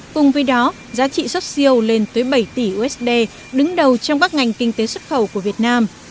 cùng với đó giá trị xuất siêu lên tới bảy tỷ usd đứng đầu trong các ngành kinh tế xuất khẩu của việt nam